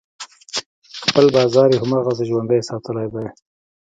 خپل بازار یې هماغسې ژوندی ساتلی دی.